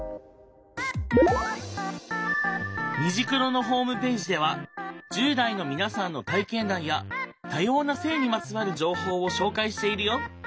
「虹クロ」のホームページでは１０代の皆さんの体験談や多様な性にまつわる情報を紹介しているよ。